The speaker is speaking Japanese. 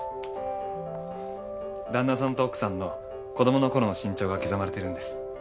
旦那さんと奥さんの子供のころの身長が刻まれてるんです。